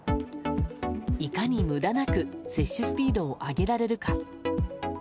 いかに無駄なく接種スピードを上げられるか。